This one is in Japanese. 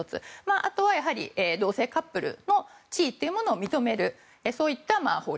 あとは、同性カップルの地位というものを認めるそういった法律。